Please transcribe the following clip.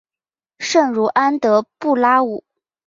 圣茹安德布拉武。